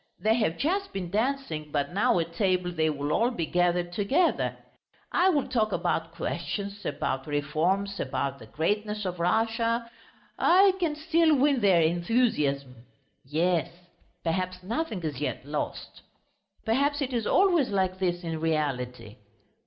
They have just been dancing, but now at table they will all be gathered together.... I will talk about questions, about reforms, about the greatness of Russia.... I can still win their enthusiasm! Yes! Perhaps nothing is yet lost.... Perhaps it is always like this in reality.